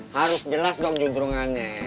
harus jelas dong judrungannya